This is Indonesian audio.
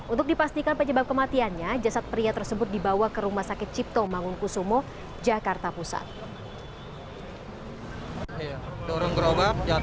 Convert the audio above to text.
untuk dipastikan penyebab kematiannya jasad pria tersebut dibawa ke rumah sakit cipto mangunkusumo jakarta pusat